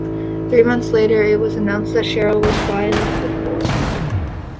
Three months later, it was announced that Cheryl was filing for divorce.